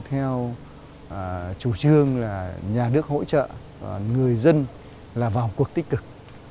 theo chủ trương là nhà nước hỗ trợ người dân là vào cuộc tích cực